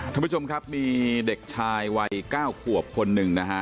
ท่านผู้ชมครับมีเด็กชายวัย๙ขวบคนหนึ่งนะฮะ